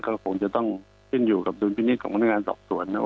เขาคงจะต้องตื่นอยู่กับดุลพินิษฐ์ของพนักงานสอบส่วนนะครับ